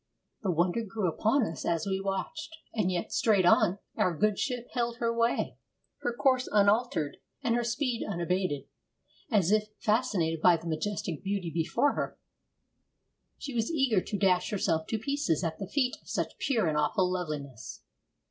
The wonder grew upon us as we watched. And yet, straight on, our good ship held her way, her course unaltered and her speed unabated, as if, fascinated by the majestic beauty before her, she were eager to dash herself to pieces at the feet of such pure and awful loveliness.